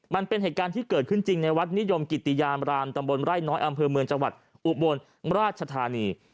มันเป็นเหตุการณ์ที่เกิดขึ้นจริงในวัดนิยมกิติยามรามตำบลไร่น้อยอำเภอเมืองจังหวัดอุบลราชธานี